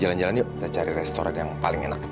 jalan jalan yuk kita cari restoran yang paling enak